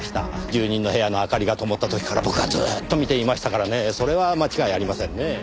住人の部屋の明かりがともった時から僕はずっと見ていましたからねそれは間違いありませんねぇ。